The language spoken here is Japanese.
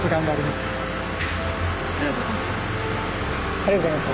ありがとうございます。